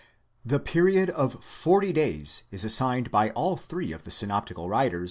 The period of forty days is assigned by all three of the synoptical writers 2?